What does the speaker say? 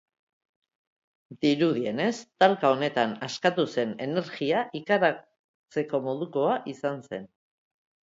Dirudienez, talka honetan askatu zen energia ikaratzeko modukoa izan zen.